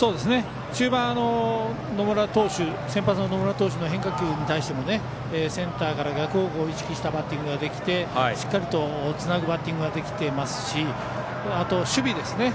中盤、先発の野村投手の変化球に対してもセンターから逆方向に意識したバッティングができてしっかりとつなぐバッティングができていますしあと、守備ですね。